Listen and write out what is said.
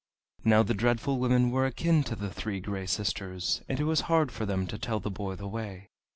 Now the Dreadful Women were akin to the Three Gray Sisters, and it was hard for them to tell the boy the way.